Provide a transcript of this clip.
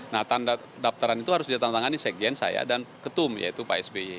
nah daftaran itu harus ditandatangani sekgen saya dan ketum yaitu pak sby